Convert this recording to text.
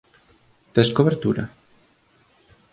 Tes cobertura?